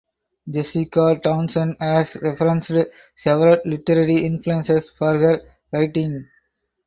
Jessica Townsend has referenced several literary influences for her writing.